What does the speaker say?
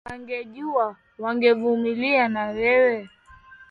Wangejua wangevumilia na wewe